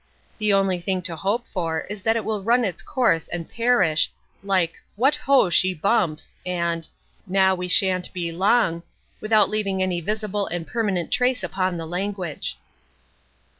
The only thing to hope for is that it will run its course and perish like "What ho, she bumps!" and "Now we shan't be long!" without leaving any visible and permanent trace upon the language.